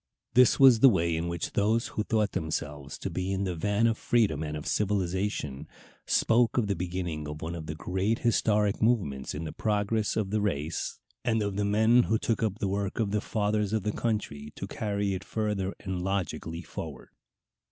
This was the way in which those who thought themselves to be in the van of freedom and of civilization spoke of the beginning of one of the great historic movements in the progress of the race, and of men who took up the work of the fathers of the country only to carry it further and logically forward.